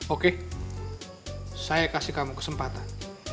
oke saya kasih kamu kesempatan